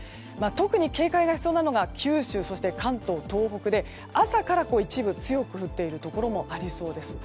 特に警戒が必要なのが九州と関東や東北で朝から一部で強く降っているところもありそうです。